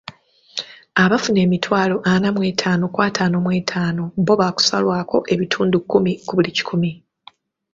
Abafuna emitwalo ana mu etaano ku ataano mu etaano, bbo baakusalwako ebitundu kkumi ku buli kikumi.